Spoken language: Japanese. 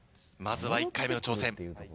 まずは１回目の挑戦。